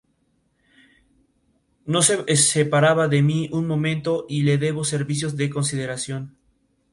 No se separaba de mí un momento, y le debo servicios de consideración"".